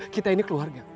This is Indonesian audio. kita ini keluarga